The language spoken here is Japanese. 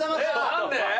何で？